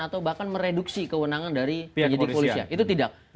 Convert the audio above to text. atau bahkan mereduksi kewenangan dari penyelidikan kepolisian itu tidak